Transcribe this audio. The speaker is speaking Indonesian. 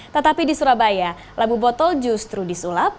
tetapi di surabaya labu botol justru disulap